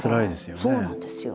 そうなんですよ。